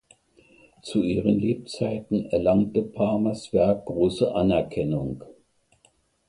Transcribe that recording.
Zu ihren Lebzeiten erlangte Palmers Werk große Anerkennung.